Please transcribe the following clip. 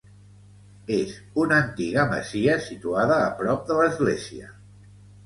És una antiga masia situada a prop de l'església.